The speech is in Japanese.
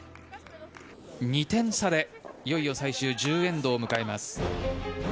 ２点差で、いよいよ最終１０エンドを迎えます。